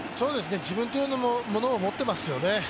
自分というものを持っていますよね。